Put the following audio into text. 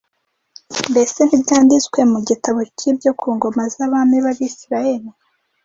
mbese ntibyanditswe mu gitabo cy’ibyo ku ngoma z’abami b’Abisirayeli?